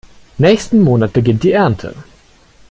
Nächsten Monat beginnt die Ernte.